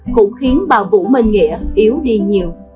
cũng khiến bà vũ minh nghĩa yếu đi nhiều